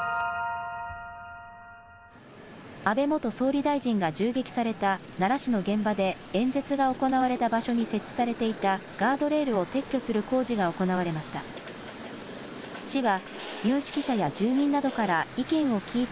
安倍元総理大臣が銃撃された奈良市の現場で演説が行われた場所に設置されていたガードレールを撤去する工事が行われました。